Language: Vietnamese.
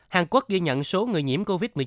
hàn quốc ghi nhận số người nhiễm covid một mươi chín